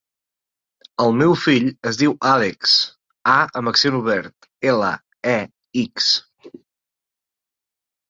El meu fill es diu Àlex: a amb accent obert, ela, e, ics.